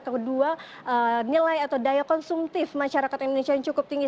kedua nilai atau daya konsumtif masyarakat indonesia yang cukup tinggi